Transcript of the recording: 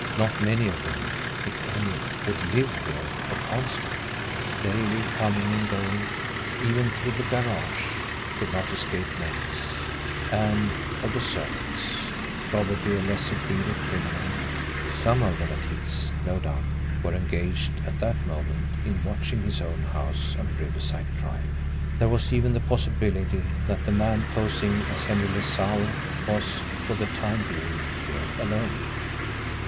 Not many of them, if any, would LIVE here, for CONSTANT, daily coming and going, even through the garage, could not escape notice; and, of the servants, probably a lesser breed of criminal, some of them, at least, no doubt, were engaged at that moment in watching his own house on Riverside Drive! There was even the possibility that the man posing as Henry LaSalle was, for the time being, here alone.